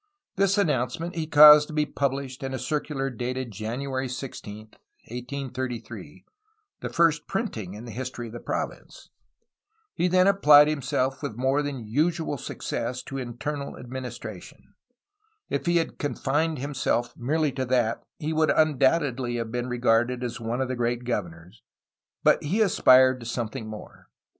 This announcement he caused to be pubhshed in a circular dated January 16, 1833, — the first printing in the history of the province. He then applied himself with more than usual success to internal administration. If he had confined him self merely to that, he would undoubtedly have been re garded as one of the great governors, but he aspired to some thing more.